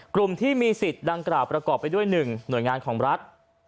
กลุ่มที่มีสิทธิ์ดังกล่าวประกอบไปด้วย๑หน่วยงานของรัฐ